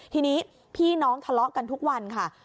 ทีนี้พี่น้องทะเลาะกันทุกวันค่ะ